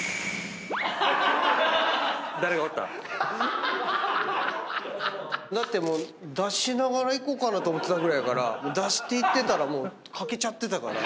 誰かおった？だって出しながら行こうかなと思ってたぐらいやから出して行ってたらもう掛けちゃってたから。